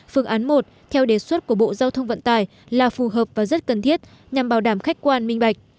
phương án một theo đề xuất của bộ giao thông vận tải là phù hợp và rất cần thiết nhằm bảo đảm khách quan minh bạch